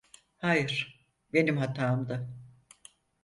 Hayır, benim hatamdı.